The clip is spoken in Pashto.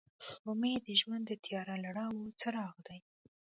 امید د ژوند د تیاره لارو څراغ دی.